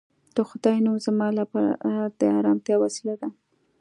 د خدای نوم زما لپاره د ارامتیا وسیله ده